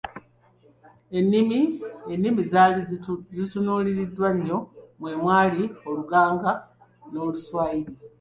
Ennimi ezaali zitunuuliddwa ennyo mwe mwali Oluganga n’Oluswayiri.